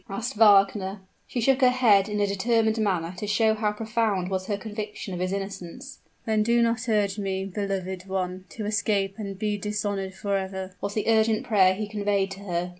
asked Wagner. She shook her head in a determined manner, to show how profound was her conviction of his innocence. "Then do not urge me, beloved one, to escape and be dishonored forever," was the urgent prayer he conveyed to her.